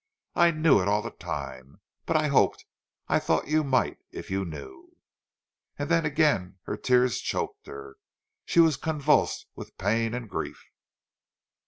I knew it all the time. But I hoped—I thought you might, if you knew—" And then again her tears choked her; she was convulsed with pain and grief.